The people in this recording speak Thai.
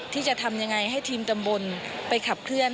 ที่จะทำยังไงให้ทีมตำบลไปขับเคลื่อน